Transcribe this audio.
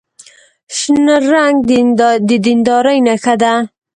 شنه رنګ د دیندارۍ نښه ده.